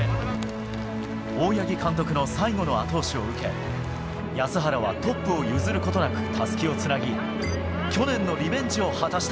大八木監督の最後の後押しを受け、安原はトップを譲ることなくたすきをつなぎ、去年のリベン安原、ご苦労さん。